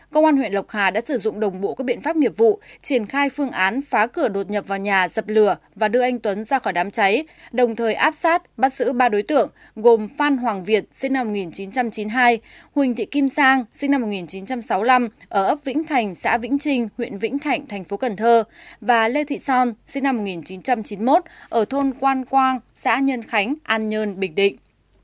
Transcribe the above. công an huyện lộc hà đã sử dụng đồng bộ các biện pháp nghiệp vụ triển khai phương án phá cửa đột nhập vào nhà dập lửa và đưa anh tuấn ra khỏi đám cháy đồng thời áp sát bắt sử ba đối tượng gồm phan hoàng việt sinh năm một nghìn chín trăm chín mươi hai huỳnh thị kim sang sinh năm một nghìn chín trăm sáu mươi năm ở ấp vĩnh thành xã vĩnh trinh huyện vĩnh thành thành phố cần thơ và lê thị son sinh năm một nghìn chín trăm chín mươi một ở thôn quan quang xã nhân khánh an nhơn bình định